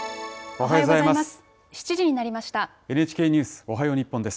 おはようございます。